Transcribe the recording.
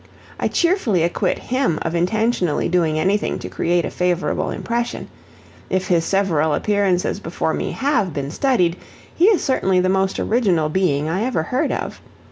I cheerfully acquit HIM of intentionally doing anything to create a favorable impression; if his several appearances before me HAVE been studied, he is certainly the most original being I ever heard of.